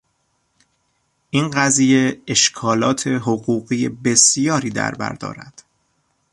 این قضیه اشکالات حقوقی بسیاری دربر دارد.